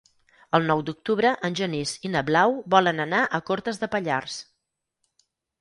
El nou d'octubre en Genís i na Blau volen anar a Cortes de Pallars.